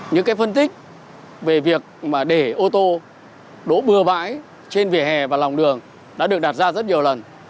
những cái phân tích về việc mà để ô tô đỗ bừa bãi trên vỉa hè và lòng đường đã được đặt ra rất nhiều lần